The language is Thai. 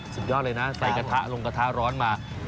สุดยอดเลยนะใส่กระทะลงกระทะร้อนมา